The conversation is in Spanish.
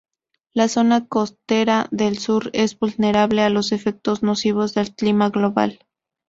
La zona costera del sur es vulnerable a los efectos nocivos del clima global.